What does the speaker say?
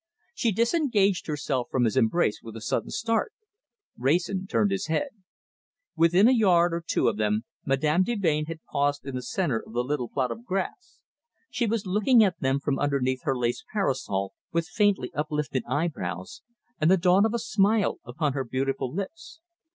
She disengaged herself from his embrace with a sudden start. Wrayson turned his head. Within a yard or two of them, Madame de Melbain had paused in the centre of the little plot of grass. She was looking at them from underneath her lace parasol, with faintly uplifted eyebrows, and the dawn of a smile upon her beautiful lips.